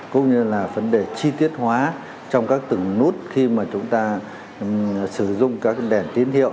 cũng như là vấn đề chi tiết hóa trong các từng nút khi mà chúng ta sử dụng các đèn tín hiệu